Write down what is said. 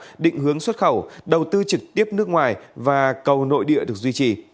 chế tạo định hướng xuất khẩu đầu tư trực tiếp nước ngoài và cầu nội địa được duy trì